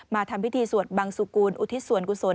ทำพิธีสวดบังสุกูลอุทิศส่วนกุศล